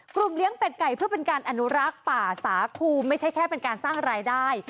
เลี้ยงเป็ดไก่เพื่อเป็นการอนุรักษ์ป่าสาคูไม่ใช่แค่เป็นการสร้างรายได้